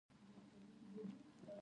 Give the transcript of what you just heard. د خبرو خوند په درناوي کې دی